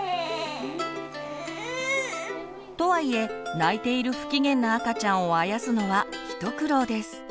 とはいえ泣いている不機嫌な赤ちゃんをあやすのは一苦労です。